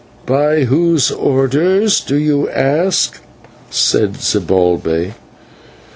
"By whose orders do you ask?" said Zibalbay.